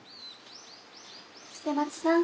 捨松さん